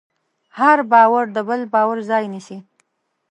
هر باور د بل باور ځای نيسي.